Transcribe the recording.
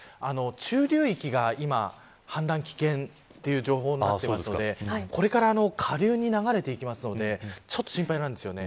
中流域が今、氾濫危険という情報になっているのでこれから下流に流れていくのでちょっと心配なんですよね。